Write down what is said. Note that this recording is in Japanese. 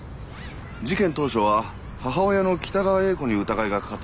事件当初は母親の北川栄子に疑いがかかったようです。